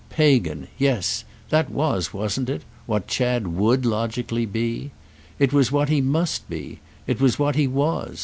Pagan—yes, that was, wasn't it? what Chad would logically be. It was what he must be. It was what he was.